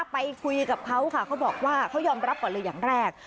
ไปคุยกับเขาค่ะเขาบอกว่าเขายอมรับก่อนเลยอย่างแรก